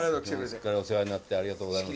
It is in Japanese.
すっかりお世話になってありがとうございます。